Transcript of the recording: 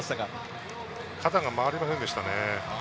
肩が回りませんでしたね。